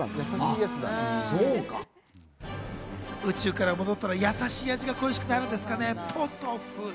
宇宙から戻ったら、やさしい味が恋しくなるんですかね。